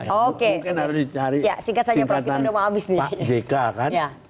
mungkin harus dicari singkatan pak jk kan